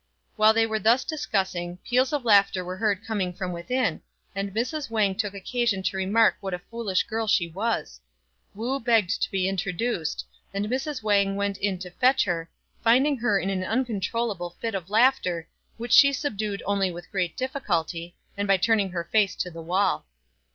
While they were thus discussing, peals of laughter were heard coming from within, and Mrs. Wang took occasion to remark what a foolish girl she was. Wu begged to be introduced, and Mrs. Wang went in to fetch her, finding her in an uncontrollable fit of laughter, which she subdued only with great difficulty, and by turning her face to the wall.